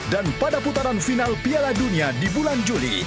dan pada putaran final piala dunia di bulan juli